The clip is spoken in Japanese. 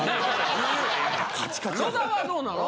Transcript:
野田はどうなの？